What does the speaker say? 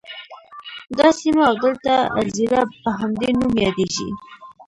دا سیمه او دلته اَذيره په همدې نوم یادیږي.